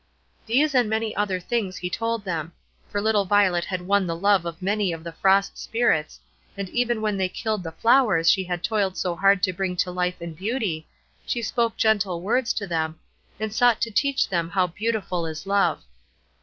These and many other things he told them; for little Violet had won the love of many of the Frost Spirits, and even when they killed the flowers she had toiled so hard to bring to life and beauty, she spoke gentle words to them, and sought to teach them how beautiful is love.